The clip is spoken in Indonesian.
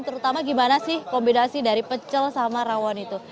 terutama gimana sih kombinasi dari pecel sama rawon itu